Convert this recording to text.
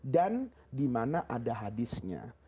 dan dimana ada hadisnya